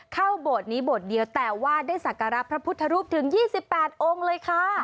โบสถ์นี้โบสถ์เดียวแต่ว่าได้สักการะพระพุทธรูปถึง๒๘องค์เลยค่ะ